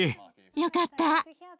よかった。